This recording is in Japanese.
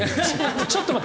ちょっと待って！